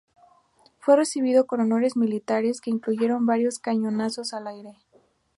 Fue recibido con honores militares que incluyeron varios cañonazos al aire.